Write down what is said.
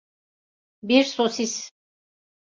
Bir sosis.